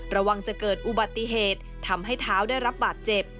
ระวังจะเกิดอุบัติเหตุทำให้เท้าได้รับบาดเจ็บ